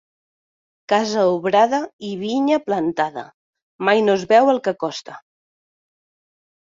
Casa obrada i vinya plantada, mai no es veu el que costa.